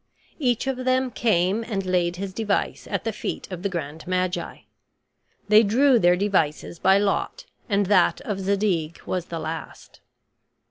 Each of them came and laid his device at the feet of the grand magi. They drew their devices by lot; and that of Zadig was the last.